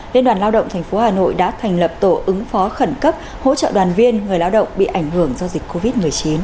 liên đoàn lao động tp hà nội đã thành lập tổ ứng phó khẩn cấp hỗ trợ đoàn viên người lao động bị ảnh hưởng do dịch covid một mươi chín